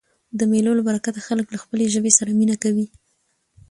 د مېلو له برکته خلک له خپلي ژبي سره مینه کوي.